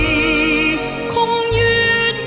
ยอมอาสันก็พระปองเทศพองไทย